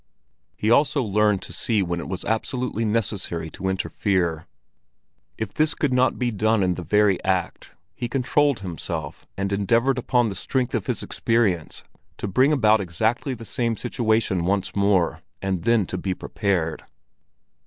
He also learned to see when it was absolutely necessary to interfere. If this could not be done in the very act, he controlled himself and endeavored upon the strength of his experience to bring about exactly the same situation once more, and then to be prepared.